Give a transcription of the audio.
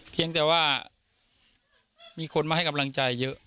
เพียงแต่ว่ามีคนมาให้กำลังใจเยอะ